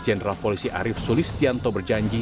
jenderal polisi arief sulistianto berjanji